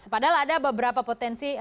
padahal ada beberapa potensi